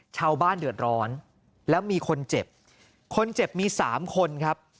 ชาวบ้านเดือดร้อนแล้วมีคนเจ็บคนเจ็บมีสามคนครับ